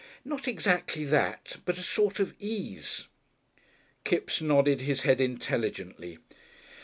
"Not exactly that, but a sort of ease." Kipps nodded his head intelligently.